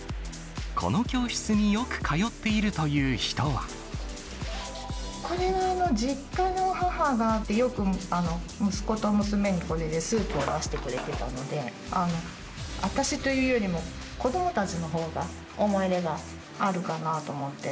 この教室によく通っているとこれは、実家の母が、よく息子と娘に、これでスープを出してくれてたので、私というよりも、子どもたちのほうが思い入れがあるかなと思って。